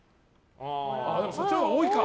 でもそっちのほうが多いか。